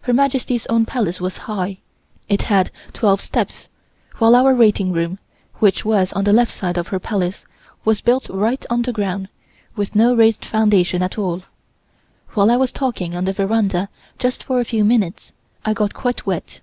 Her Majesty's own Palace was high; it had twelve steps, while our waiting room, which was on the left side of her Palace, was built right on the ground, with no raised foundation at all. While I was talking on the veranda just for a few minutes, I got quite wet.